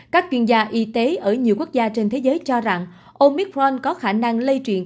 các chuyên gia y tế ở nhiều quốc gia trên thế giới cho rằng omicron có khả năng lây truyền